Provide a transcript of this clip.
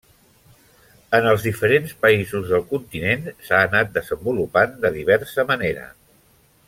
En els diferents països del continent s'ha anat desenvolupant de diversa manera.